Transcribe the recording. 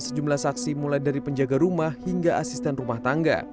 sejumlah saksi mulai dari penjaga rumah hingga asisten rumah tangga